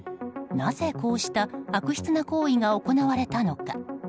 なぜこうした悪質な行為が行われたのか。